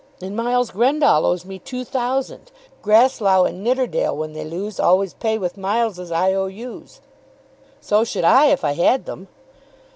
"And Miles Grendall owes me two thousand. Grasslough and Nidderdale when they lose always pay with Miles's I. O. U.'s." "So should I, if I had them."